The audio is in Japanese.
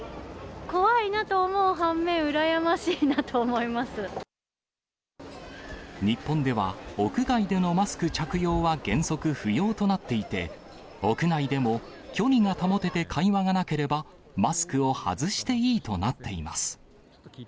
怖いなと思う反面、羨ましい日本では、屋外でのマスク着用は原則不要となっていて、屋内でも距離が保てて会話がなければマスクを外していいとなっています。